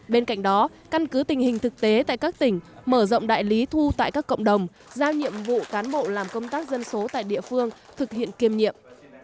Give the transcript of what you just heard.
bên cạnh đó căn cứ tình hình thực tế tại các tỉnh mở rộng đại lý thu tại các cộng đồng giao nhiệm vụ cán bộ làm công tác dân số tại địa phương thực hiện kiêm nhiệm